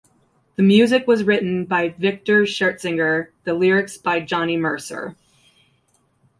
The music was written by Victor Schertzinger, the lyrics by Johnny Mercer.